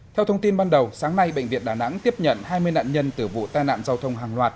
theo thông tin ban đầu sáng nay bệnh viện đà nẵng tiếp nhận hai mươi nạn nhân từ vụ tai nạn giao thông hàng loạt